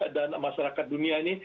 dan masyarakat dunia ini